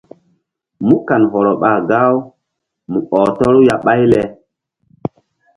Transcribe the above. Mú kan hɔrɔ ɓa gah-u mu ɔh tɔru ya ɓáy le.